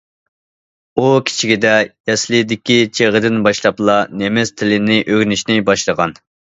ئۇ كىچىكىدە يەسلىدىكى چېغىدىن باشلاپلا نېمىس تىلى ئۆگىنىشىنى باشلىغان.